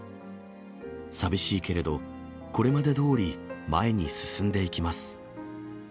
寂しいけれど、これまでどおり、前に進んでいきます。